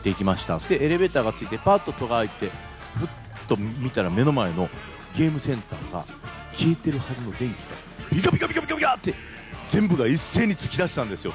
そしてエレベーターがついて、ぱっと戸が開いて、ふっと見たら目の前のゲームセンターが消えてるはずの電気が、びかびかびかびかって、全部が一斉に突き出したんですよ。